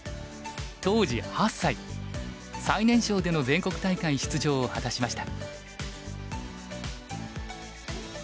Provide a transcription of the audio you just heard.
当時８歳最年少での全国大会出場を果たしました。